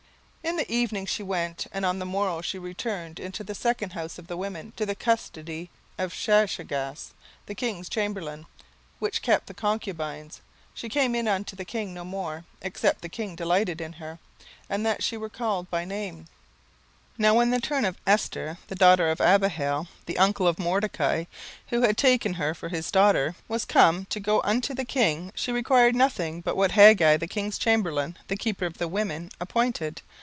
17:002:014 In the evening she went, and on the morrow she returned into the second house of the women, to the custody of Shaashgaz, the king's chamberlain, which kept the concubines: she came in unto the king no more, except the king delighted in her, and that she were called by name. 17:002:015 Now when the turn of Esther, the daughter of Abihail the uncle of Mordecai, who had taken her for his daughter, was come to go in unto the king, she required nothing but what Hegai the king's chamberlain, the keeper of the women, appointed.